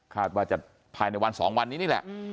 ว่าจะภายในวัน๒วันนี้นี่แหละ